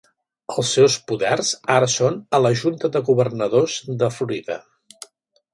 Els seus poders ara són a la Junta de Governadors de Florida.